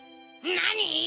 なに⁉